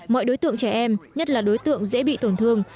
mọi đối tượng trẻ em nhất là đối tượng dễ bị tổn thương